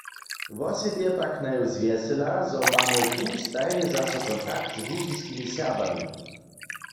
Wosebje pak naju zwjesela, zo mamoj tu stajnje zaso kontakt z Łužiskimi Serbami.